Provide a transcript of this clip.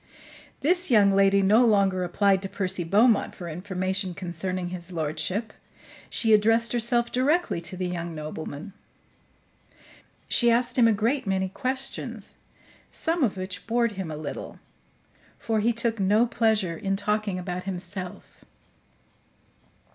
This young lady no longer applied to Percy Beaumont for information concerning his lordship. She addressed herself directly to the young nobleman. She asked him a great many questions, some of which bored him a little; for he took no pleasure in talking about himself.